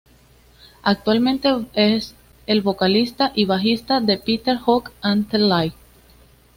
Actualmente es el vocalista y bajista de "Peter Hook and The Light".